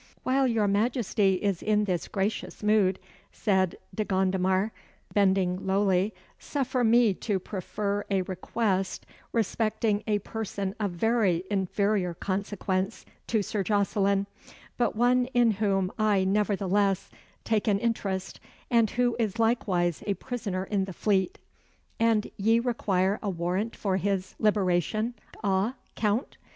"While your Majesty is in this gracious mood," said De Gondomar, bending lowly, "suffer me to prefer a request respecting a person of very inferior consequence to Sir Jocelyn but one in whom I nevertheless take an interest and who is likewise a prisoner in the Fleet." "And ye require a warrant for his liberation ah, Count?"